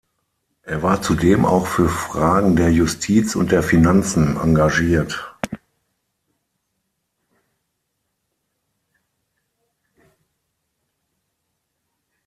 Er war zudem auch für Fragen der Justiz und der Finanzen engagiert.